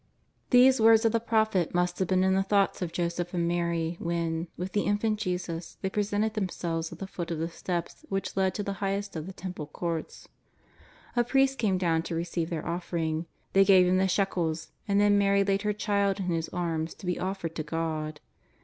These words of the prophet must have been in the thoughts of Joseph and Mary when, with the Infant Jesus, they presented themselves at the foot of the steps which led to the highest of the Temple Courts. A priest came down to receive their offering. They gave him the shekels, and then Mary laid her Child in his arms to be offered to God.